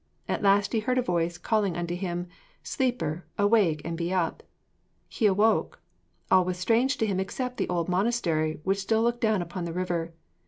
At last he heard a voice calling unto him, 'Sleeper, awake and be up.' He awoke. All was strange to him except the old monastery, which still looked down upon the river.